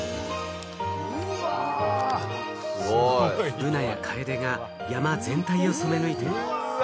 ブナやカエデが山全体を染め抜いている。